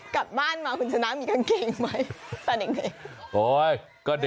กลับบ้านมาคุณชนะมีกางเกงไหมตอนเด็ก